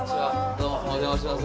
どうもお邪魔します。